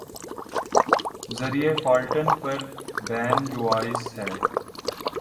ذریعہ فالٹن پریبن یوایساے